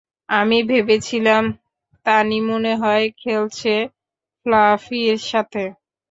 আমি ভেবেছিলাম তানি মনে হয় খেলছে ফ্লাফির সাথে।